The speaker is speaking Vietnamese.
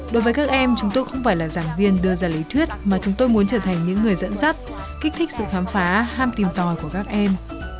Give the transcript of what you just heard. đối với các em chúng tôi không phải là giảng viên đưa ra lý thuyết mà chúng tôi muốn trở thành những người dẫn dắt kích thích sự khám phá ham tìm tòi của các em